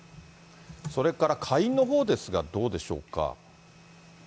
それから下院のほうですが、どうでしょうか。